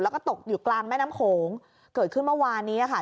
แล้วก็ตกอยู่กลางแม่น้ำโขงเกิดขึ้นเมื่อวานนี้ค่ะ